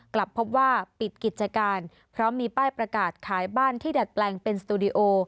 กลับพบว่าปิดกิจการเพราะมีป้ายประกาศขายบ้านที่ดัดแปลงเป็นสตูดิโอ